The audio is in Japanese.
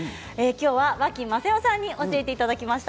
脇雅世さんに教えていただきました。